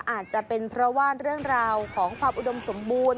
อาจจะเป็นเพราะว่าเรื่องราวของความอุดมสมบูรณ์